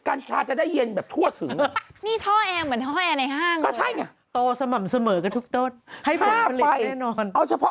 ก็กิโลละแสนมึงจะเอาไปเถอะ